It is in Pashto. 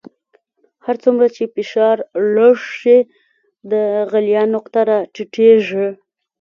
هر څومره چې فشار لږ شي د غلیان نقطه را ټیټیږي.